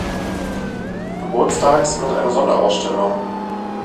Geburtstags mit einer Sonderausstellung.